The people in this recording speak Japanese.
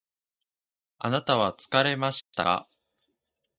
あなたは疲れましたか？